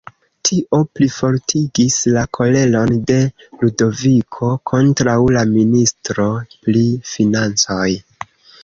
Tio plifortigis la koleron de Ludoviko kontraŭ la ministro pri financoj.